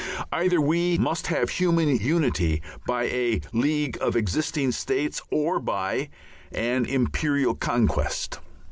Either we must have human unity by a league of existing states or by an Imperial Conquest.